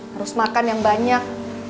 harus makan yang banyak